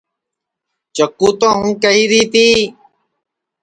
چکُو تو ہوں کیہری تی